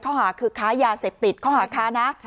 ข้อหาคือค้ายาเสพติดข้อหาค้านะ